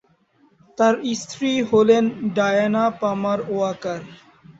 তার স্ত্রী হলেন ডায়ানা পামার ওয়াকার।